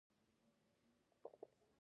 حسي غړي محرکونه تشخیص یا پېژني.